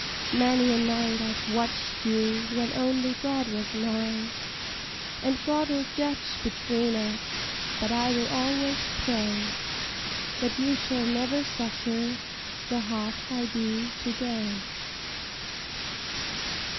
Many a night I've watched you when only God was nigh; And God'll judge between us; but I will al'ays pray That you shall never suffer the half I do to day.